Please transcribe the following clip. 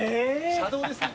車道ですね